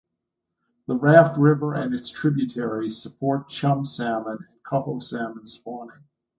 The Raft River and its tributaries support chum salmon and coho salmon spawning.